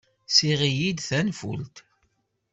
Seɣ-iyi-d tanfult.